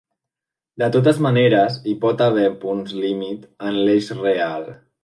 De totes maneres, hi pot haver punts límit en l'eix real.